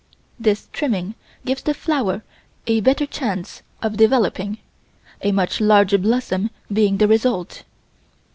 This trimming gives the flower a better chance of developing, a much larger blossom being the result.